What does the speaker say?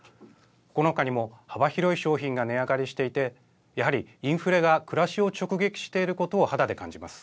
このほかにも幅広い商品が値上がりしていて、やはりインフレが暮らしを直撃していることを肌で感じます。